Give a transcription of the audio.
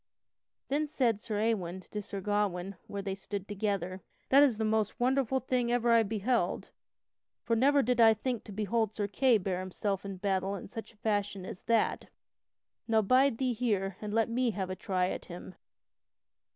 Then said Sir Ewain to Sir Gawain where they stood together: "That is the most wonderful thing that ever I beheld, for never did I think to behold Sir Kay bear himself in battle in such a fashion as that. Now bide thee here and let me have a try at him."